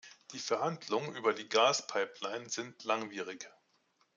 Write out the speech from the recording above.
Die Verhandlungen über die Gaspipeline sind langwierig.